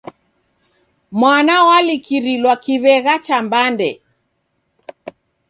Mwana walikirilwa kiw'egha cha mbande.